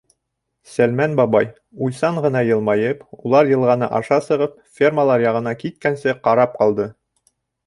Сәлмән бабай, уйсан ғына йылмайып, улар йылғаны аша сығып, фермалар яғына киткәнсе, ҡарап ҡалды.